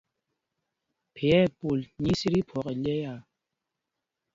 Phē ɛpul nyí í sī tí phwɔk ɛlyɛ̄ɛ̄â.